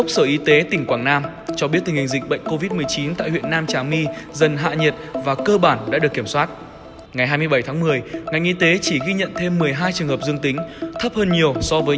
xin chào và hẹn gặp lại